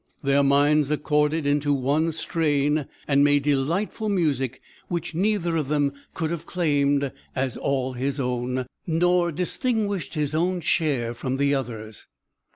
Their minds accorded into one strain, and made delightful music which neither of them could have claimed as all his own, nor distinguished his own share from the other's.